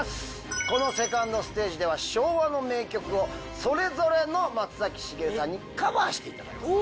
このセカンドステージでは昭和の名曲をそれぞれの松崎しげるさんにカバーしていただきます。